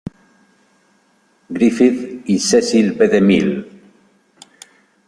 Griffith y Cecil B. DeMille.